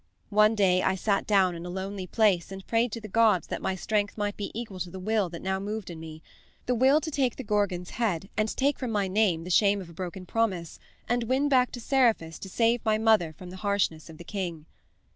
One day I sat down in a lonely place and prayed to the gods that my strength might be equal to the will that now moved in me the will to take the Gorgon's head, and take from my name the shame of a broken promise, and win back to Seriphus to save my mother from the harshness of the king.